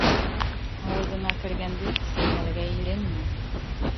Ауыҙыңа кергәнде сәйнәргә иренмә.